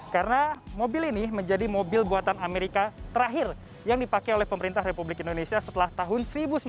karena mobil ini menjadi mobil buatan amerika terakhir yang dipakai oleh pemerintah republik indonesia setelah tahun seribu sembilan ratus sembilan puluh delapan